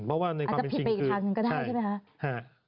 อาจจะผิดไปอีกทางหนึ่งก็ได้ใช่ไหมคะ